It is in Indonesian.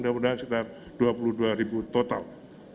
mudah mudahan sekitar dua puluh dua ribu total